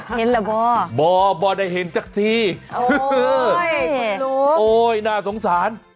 เห็นเหรอบ่อบ่อบ่ได้เห็นสักทีโอ้ยน่าสงสาร